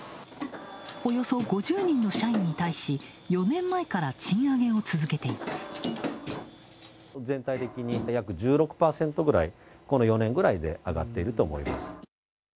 およそ５０人の社員に対し４年前から賃上げを続けています。